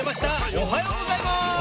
おはようございます！